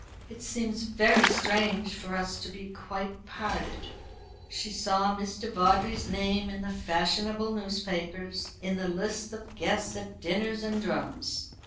"It seems very strange for us to be quite parted." She saw Mr. Vawdrey's name in the fashionable newspapers, in the lists of guests at dinners and drums.